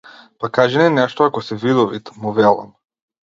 Па кажи ни нешто ако си видовит, му велам.